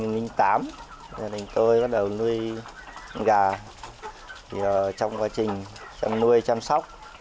giờ gia đình tôi quyết định đầu tư thêm công trình trang thiết bị